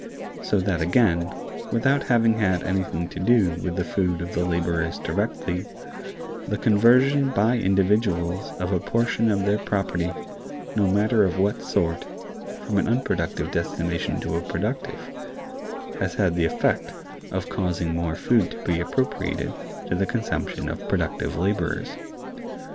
So that again, without having had anything to do with the food of the laborers directly, the conversion by individuals of a portion of their property, no matter of what sort, from an unproductive destination to a productive, has had the effect of causing more food to be appropriated to the consumption of productive laborers.